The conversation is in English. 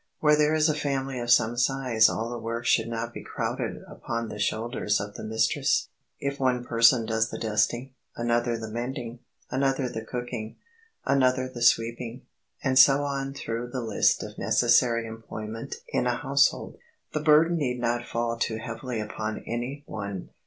Where there is a family of some size all the work should not be crowded upon the shoulders of the mistress. If one person does the dusting, another the mending, another the cooking, another the sweeping, and so on through the list of necessary employment in a household, the burden need not fall too heavily upon any one.